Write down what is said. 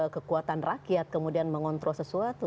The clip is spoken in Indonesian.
kekuatan rakyat kemudian mengontrol sesuatu